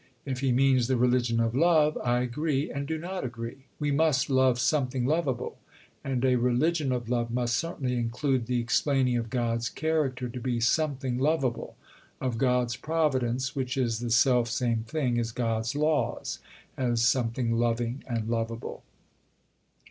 If he means the "religion of love," I agree and do not agree. We must love something loveable. And a religion of love must certainly include the explaining of God's character to be something loveable of God's "providence," which is the self same thing as God's Laws, as something loving and loveable.